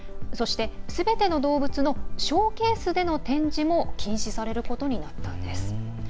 そして、すべての動物のショーケースでの展示も禁止されることになったんです。